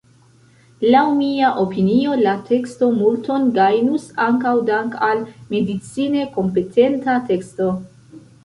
Laŭ mia opinio, la teksto multon gajnus ankaŭ dank’ al medicine kompetenta teksto.